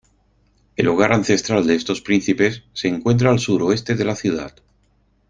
El hogar ancestral de estos príncipes se encuentra al suroeste de la ciudad.